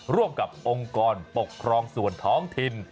ร่วมกับองค์กรปกครองส่วนท้องถิ่น